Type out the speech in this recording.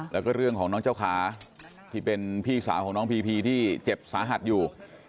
แล้วก็เรื่องของน้องเจ้าขาที่เป็นพี่สาวของน้องพีพีที่เจ็บสาหัสอยู่